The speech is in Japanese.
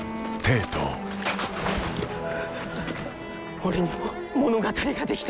俺にも物語が出来た。